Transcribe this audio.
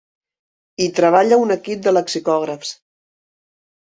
Hi treballa un equip de lexicògrafs.